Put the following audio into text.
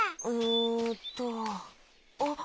んっとあっ。